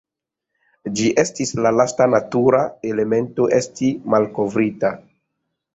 Ĝi estis la lasta natura elemento esti malkovrita.